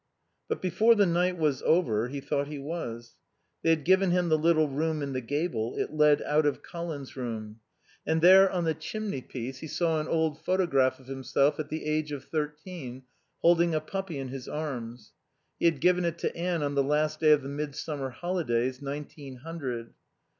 But before the night was over he thought he was. They had given him the little room in the gable. It led out of Colin's room. And there on the chimneypiece he saw an old photograph of himself at the age of thirteen, holding a puppy in his arms. He had given it to Anne on the last day of the midsummer holidays, nineteen hundred.